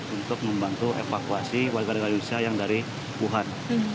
untuk membantu evakuasi warga negara indonesia yang dari wuhan